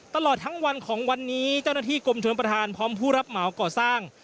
ตลอดทั้งวันของวันนี้เจ้าหน้าที่กรมชนประธานพร้อมผู้รับเหมาก่อสร้าง